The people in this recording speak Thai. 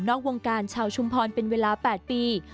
วงการชาวชุมพรเป็นเวลา๘ปี